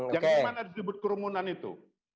yang dimana disebut kerumunan itu